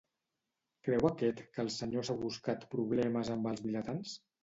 Creu aquest que el senyor s'ha buscat problemes amb els vilatans?